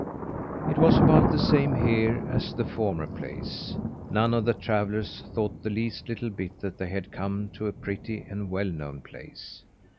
It was about the same here as at the former place; none of the travellers thought the least little bit that they had come to a pretty and well known place.